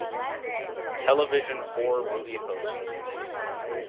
Television Horror Movie Hosts.